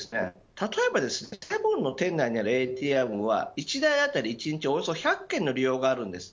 例えばセブンの店内にあるＡＴＭは１台当たり１日およそ１００件の利用があります。